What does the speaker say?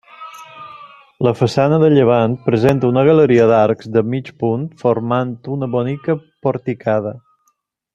La façana de llevant presenta una galeria d'arcs de mig punt formant una bonica porticada.